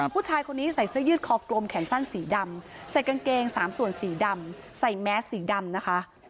ผู้ชายคนนี้ใส่เสื้อยืดคอกลมแขนสั้นสีดำใส่กางเกงสามส่วนสีดำใส่แมสสีดำนะคะ